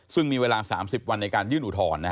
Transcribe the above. ซึ่งมีเวลา๓๐วันในการยื่นอุทธรณ์